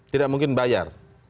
tidak mungkin bayar